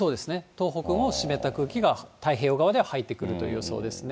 東北も湿った空気が太平洋側では入ってくるという予想ですね。